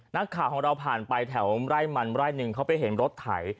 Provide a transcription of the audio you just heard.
นักข่าวของเราผ่านไปแถวไร่มันไร่หนึ่งเขาไปเห็นรถไถ